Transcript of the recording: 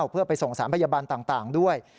เพื่อไปส่งสารพยาบาลต่างด้วย